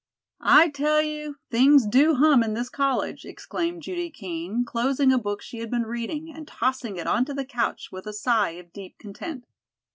"I tell you things do hum in this college!" exclaimed Judy Kean, closing a book she had been reading and tossing it onto the couch with a sigh of deep content.